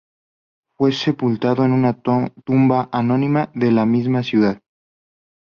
Fue sepultado en una tumba anónima de la misma ciudad.